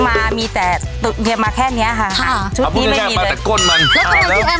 มามีแต่มาแค่เนี้ยค่ะค่ะชุดนี้ไม่มีมาแต่ก้นมันแล้วพี่แอม